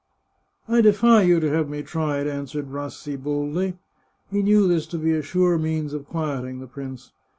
" I defy you to have me tried," answered Rassi boldly. He knew this to be a sure means of quieting the prince.